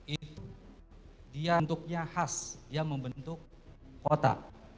itu dia membentuknya khas dia membentuk kota